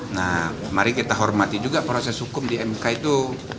nah mari kita hormati juga proses hukum di mk itu